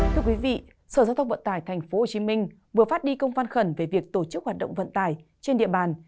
thưa quý vị sở giao thông vận tải tp hcm vừa phát đi công văn khẩn về việc tổ chức hoạt động vận tải trên địa bàn